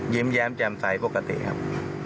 แย้มแจ่มใสปกติครับ